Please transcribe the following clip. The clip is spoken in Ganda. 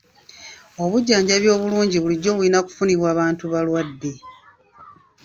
Obujjanjabi obulungi bulijjo bulina kufunibwa bantu balwadde.